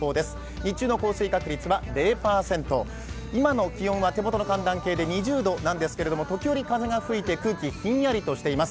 日中の降水確率は０％、今の気温は手元の寒暖計で２０度なんですが時折、風が吹いて空気ひんやりとしています。